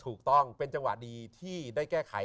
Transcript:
ถูกต้องเป็นจังหวะดีที่ได้แก้ไข